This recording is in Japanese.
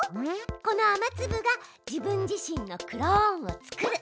この雨つぶが「自分自身のクローンを作る」。